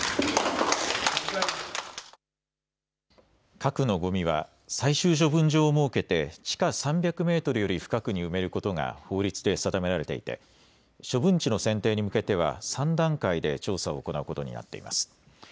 核のごみは最終処分場を設けて地下３００メートルより深くに埋めることが法律で定められていて処分地の選定に向けては３段階で調査を行うことになっています。